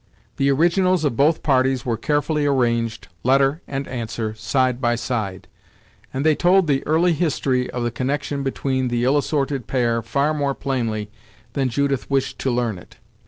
The originals of both parties were carefully arranged, letter and answer, side by side; and they told the early history of the connection between the ill assorted pair far more plainly than Judith wished to learn it.